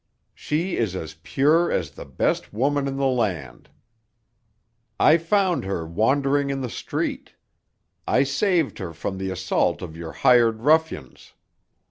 She is as pure as the best woman in the land. I found her wandering in the street. I saved her from the assault of your hired ruffians.